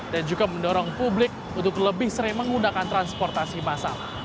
dan juga mendorong publik untuk lebih sering menggunakan transportasi masalah